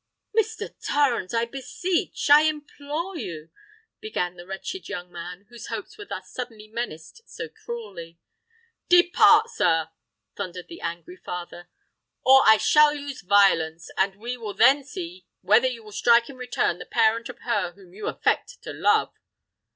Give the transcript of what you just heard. "Mr. Torrens—I beseech—I implore you——" began the wretched young man, whose hopes were thus suddenly menaced so cruelly. "Depart, sir!" thundered the angry father; "or I shall use violence—and we will then see whether you will strike in return the parent of her whom you affect to love!"